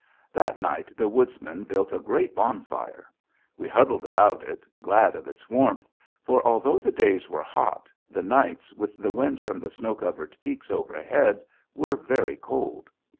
That night, the Woodsman built a great bonfire. We huddled about it, glad of its warmth, for although the days were hot, the nights, with the wind from the snow covered peaks overhead, were very cold.